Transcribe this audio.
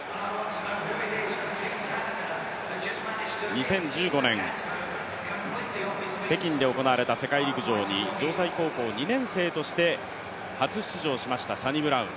２０１５年、北京で行われた世界陸上に城西高校２年生として初出場しました、サニブラウン。